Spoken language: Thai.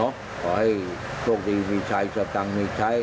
ขอให้โชคดีมีชัยสตังค์มีใช้